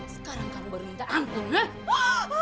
sekarang kamu baru minta ampun